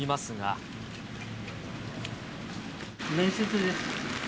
面接です。